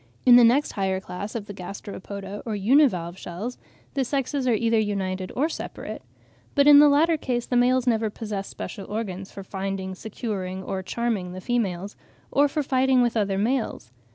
In the next higher class of the Gasteropoda, or univalve shells, the sexes are either united or separate. But in the latter case the males never possess special organs for finding, securing, or charming the females, or for fighting with other males.